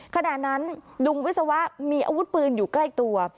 ขณะนั้นลุงวิศวะมีอาวุธปืนอยู่ใกล้ตัว